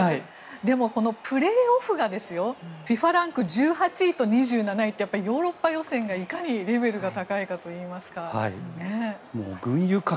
でもプレーオフがＦＩＦＡランク１８位と２１位ってヨーロッパ予選がいかにレベルが高いかといいますか。